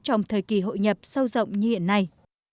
trong thời kỳ hội nhập sâu rộng như hiện nay